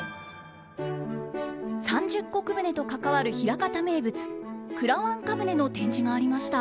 三十石船と関わる枚方名物「くらわんか舟」の展示がありました。